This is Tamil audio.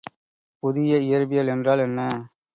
புதிய இயற்பியல் என்றால் என்ன?